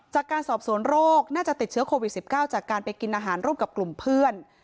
จากการสอบสวนโรคน่าจะติดเชื้อโควิด๑๙จากการไปกินอาหารร่วมกับกลุ่มเพื่อน